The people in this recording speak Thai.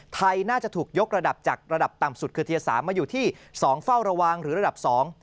ไทยน่าจะถูกยกระดับจากระดับต่ำสุดคือเทียร์สามมาอยู่ที่สองเฝ้าระวังหรือระดับสอง